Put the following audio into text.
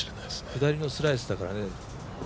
下りのスライスだからね。